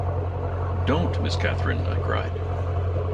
Don’t, Miss Catherine!’ I cried.